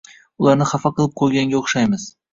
ularni xafa qilib qo’yganga o’xshaymiz